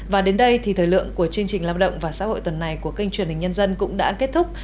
và đến đây thì thời lượng của chương trình lao động và xã hội tuần này của kênh truyền hình nhân dân cũng đã kết thúc